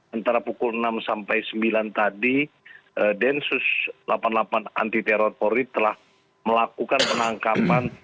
antara pukul enam sampai sembilan tadi densus delapan puluh delapan anti teror polri telah melakukan penangkapan